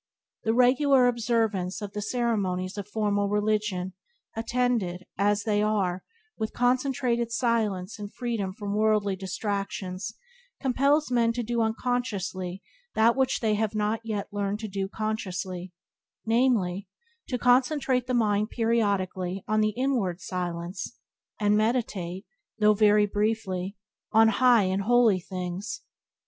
The regular observance of the ceremonies of formal religion, attended, as they are, with concentrated silence and freedom from worldly distractions, compels men to do unconsciously that which they have not yet learned to do consciously — namely, to concentrate the mind periodically on the inward silence, and meditate, though very briefly, on high and holy things.